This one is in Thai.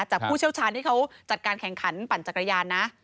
ผู้เชี่ยวชาญที่เขาจัดการแข่งขันปั่นจักรยานนะ